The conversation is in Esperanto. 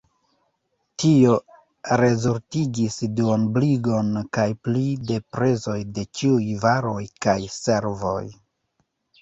Tio rezultigis duobligon kaj pli de prezoj de ĉiuj varoj kaj servoj.